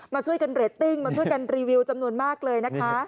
มาช่วยกันเรตติ้งมาช่วยกันรีวิวจำนวนมากเลยนะคะ